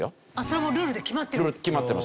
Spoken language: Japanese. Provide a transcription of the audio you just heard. それもルールで決まってる？